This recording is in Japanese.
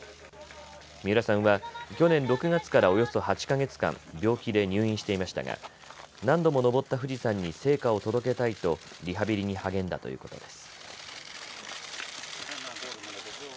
三浦さんは去年６月からおよそ８か月間、病気で入院していましたが、何度も登った富士山に聖火を届けたいとリハビリに励んだということです。